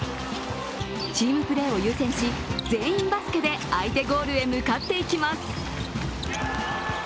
チームプレーを優先し、全員バスケで相手ゴールへ向かっていきます。